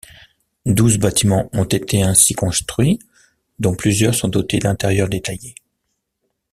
Douze bâtiments ont ainsi été construits dont plusieurs sont dotés d'intérieurs détaillés.